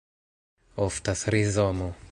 Oftas rizomo.